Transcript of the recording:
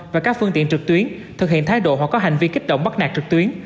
và các phương tiện trực tuyến thực hiện thái độ hoặc có hành vi kích động bắt nạc trực tuyến